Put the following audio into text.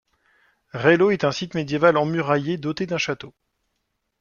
Rello est un site médiéval emmuraillé doté d'un château.